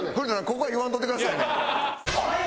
ここは言わんといてくださいね。